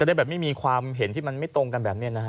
ได้แบบไม่มีความเห็นที่มันไม่ตรงกันแบบนี้นะฮะ